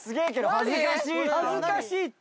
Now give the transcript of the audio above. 恥ずかしいって。